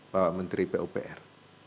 bapak menteri pupr